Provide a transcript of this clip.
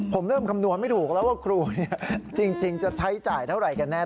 ผมเริ่มคำนวณไม่ถูกแล้วว่าครูจริงจะใช้จ่ายเท่าไหร่กันแน่